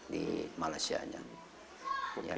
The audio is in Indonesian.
di malaysia aja